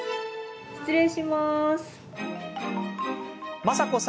失礼します。